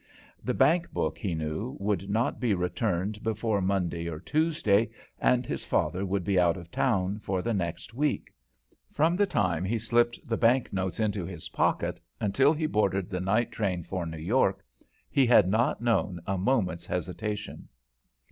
The bank book, he knew, would not be returned before Monday or Tuesday, and his father would be out of town for the next week. From the time he slipped the bank notes into his pocket until he boarded the night train for New York, he had not known a moment's hesitation.